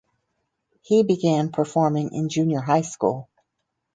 He began performing in junior high school.